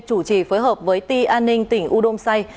chủ trì phối hợp với ti an ninh tỉnh u đông say